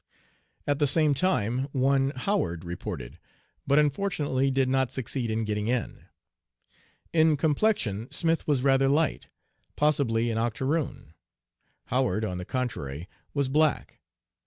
At the same time one Howard reported, but unfortunately did not succeed in "getting in." In complexion Smith was rather light, possibly an octoroon. Howard, on the contrary, was black.